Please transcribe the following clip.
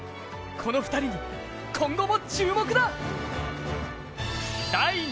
この２人に、今後も注目だ。